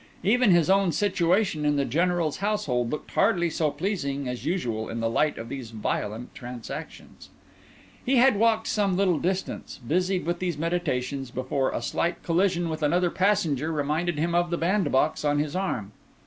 Even his own situation in the General's household looked hardly so pleasing as usual in the light of these violent transactions. He had walked some little distance, busied with these meditations, before a slight collision with another passenger reminded him of the bandbox on his arm.